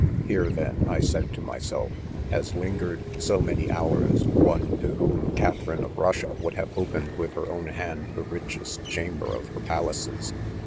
Here then, I .said to myself* has Tin* gered. so' many hours, one to whomrCaihaf infe of Russia, would have opened with, .her ©wii §4 IDOMEtf* hand, the richest 'chamber of her palaces.